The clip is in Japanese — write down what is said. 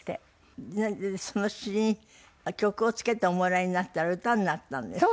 その詩に曲をつけておもらいになったら歌になったんですって？